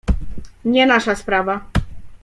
"Nie nasza sprawa."